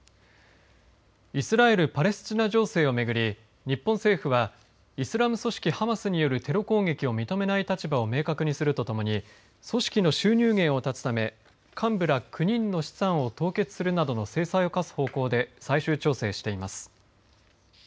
イスラエル・パレスチナ情勢を巡り日本政府はイスラム組織ハマスによるテロ攻撃を認めない立場を明確にするとともに組織の収入源を絶つため幹部ら９人の資産を凍結するなどの制裁を科す方向で最終調整しています。